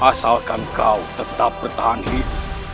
asalkan kau tetap bertahan hidup